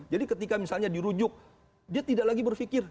jadi ketika misalnya dirujuk dia tidak lagi berpikir